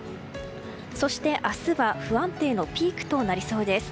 そして明日は不安定のピークとなりそうです。